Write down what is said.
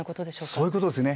そういうことですね。